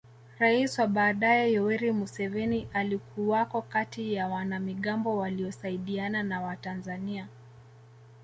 Rais wa baadaye Yoweri Museveni alikuwako kati ya wanamigambo waliosaidiana na Watanzania